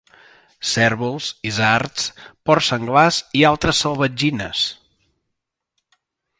Cérvols, isards, porcs senglars i altres salvatgines.